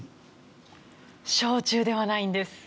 焼酎ではないんです。